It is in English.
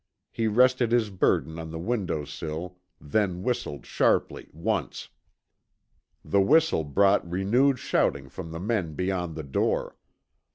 He rested his burden on the window's sill then whistled sharply once. The whistle brought renewed shouting from the men beyond the door.